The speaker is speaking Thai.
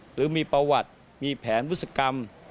หรือมีประวัติมีแผนบุษกรรม